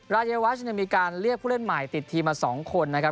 รายวัชมีการเรียกผู้เล่นใหม่ติดทีมมา๒คนนะครับ